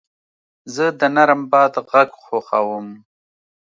زه د نرم باد غږ خوښوم.